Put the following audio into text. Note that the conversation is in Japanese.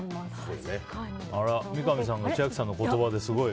三上さんが千秋さんの言葉にすごい。